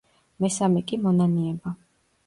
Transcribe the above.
მესამე კი „მონანიება“.